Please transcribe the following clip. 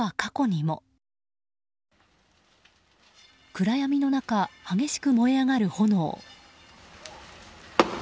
暗闇の中、激しく燃え上がる炎。